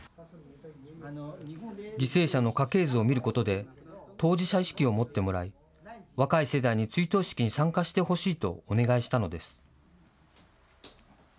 犠牲者の家系図を見ることで当事者意識を持ってもらい若い世代に追悼式に参加してほしいとお願いしたのです。